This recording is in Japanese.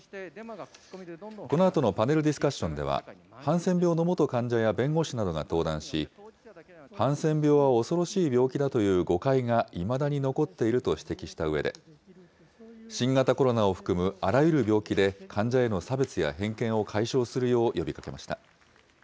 このあとのパネルディスカッションでは、ハンセン病の元患者や弁護士などが登壇し、ハンセン病は恐ろしい病気だという誤解がいまだに残っていると指摘したうえで、新型コロナを含むあらゆる病気で患者への差別や偏見を解消するよう呼びかけました。